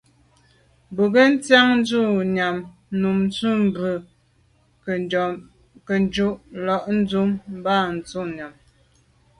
Bo ke ntsian dù’ ze nyam num ntum bwe nkebnjù l’a ndù bag ntum nyam.